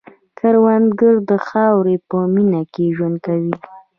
کروندګر د خاورې په مینه کې ژوند کوي